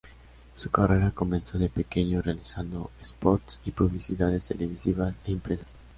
Su carrera comenzó de pequeño, realizando spots y publicidades televisivas e impresas.